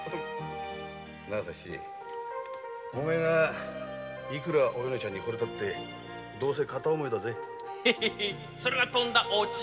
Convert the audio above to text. お前がいくらお米ちゃんにホれたってどうせ片思いだぜそれがとんだ大違い。